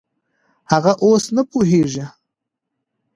هغه اوس نه پوهېږي.